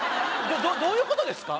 どういうことですか？